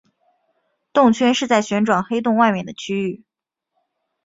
动圈是在旋转黑洞外面的区域。